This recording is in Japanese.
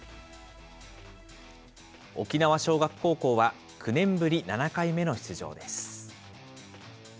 沖縄尚学高校は９年ぶり７回目の出場です。